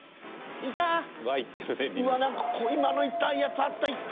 うわ何か今の痛いやつあった１個。